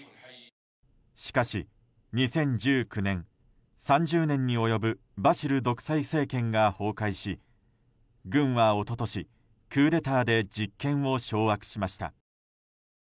しかし２０１９年、３０年に及ぶバシル独裁政権が崩壊し軍は一昨年、クーデターで実権を掌握しました。